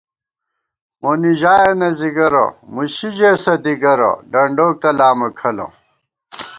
مونی ژایَنہ ځِگَرہ، مُشی ژېسہ دِگَرہ ، ڈنڈوک تلامہ کھلہ